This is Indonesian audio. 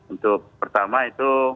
untuk pertama itu